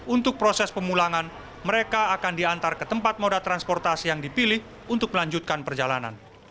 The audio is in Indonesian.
untuk proses pemulangan mereka akan diantar ke tempat moda transportasi yang dipilih untuk melanjutkan perjalanan